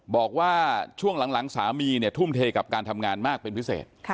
บอกว่าช่วงหลังสามีเนี่ยทุ่มเทกับการทำงานมากเป็นพิเศษ